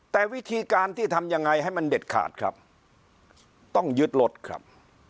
แต่วิธีการที่ทำยังไงให้มันเด็ดขาดครับต้องยึดรถครับ